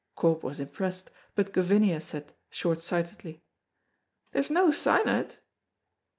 Corp was impressed, but Gavinia said, short sightedly, "There's no sign o't."